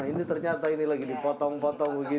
ini ternyata ini lagi dipotong potong begini